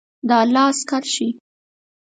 د الله عسکر شئ!